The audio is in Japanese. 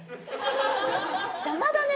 邪魔だね。